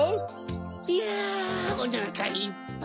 いやおなかいっぱい。